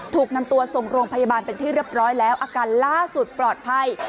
ถูกนำตัวส่งโรงพยาบาลเป็นที่เรียบร้อยแล้วอาการล่าสุดปลอดภัย